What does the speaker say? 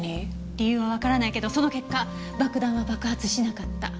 理由はわからないけどその結果爆弾は爆発しなかった。